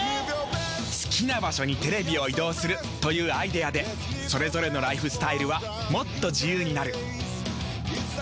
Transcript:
好きな場所にテレビを移動するというアイデアでそれぞれのライフスタイルはもっと自由になる。